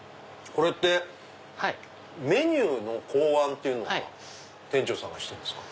これってメニューの考案って店長さんがしてるんですか？